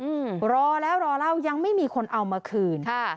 อืมรอแล้วรอเล่ายังไม่มีคนเอามาคืนค่ะ